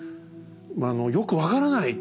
よく分からない。